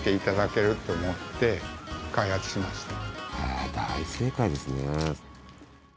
ああ大正解ですね。